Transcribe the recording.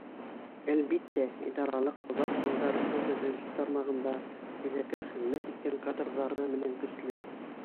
Әлбиттә, идаралыҡ оҙаҡ йылдар юл төҙөлөшө тармағында фиҙакәр хеҙмәт иткән кадрҙары менән көслө.